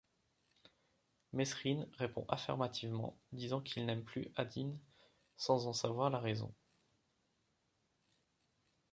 Mesrin répond affirmativement, disant qu’il n’aime plus Adine sans en savoir la raison.